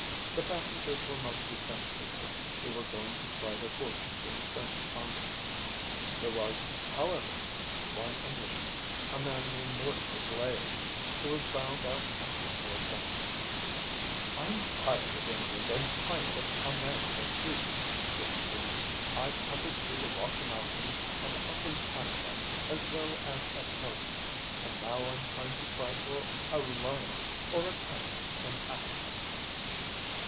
The passengers were mostly French people, who were going to try their fortunes in French Congo. There was, however, one Englishman, a man named Mortimer Blaze, who was bound out simply for adventure. "I'm tired of England, and tired of America too," he explained. "I've hunted through the Rocky Mountains and up in Canada, as well as at home, and now I'm going to try for a lion or a tiger in Africa."